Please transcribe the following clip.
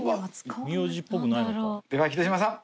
では秀島さん。